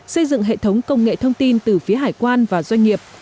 xây dựng hệ thống công nghệ thông tin từ phía hải quan và doanh nghiệp